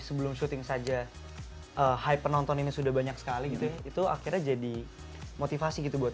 sebelum syuting saja high penonton ini sudah banyak sekali gitu ya itu akhirnya jadi motivasi gitu buat